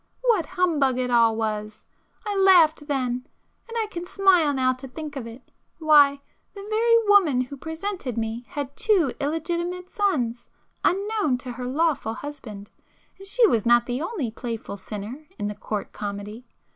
What humbug it all was!—I laughed then, and I can smile now to think of it,—why, the very woman who presented me had two illegitimate sons, unknown to her lawful husband, and she was not the only playful sinner in the Court comedy!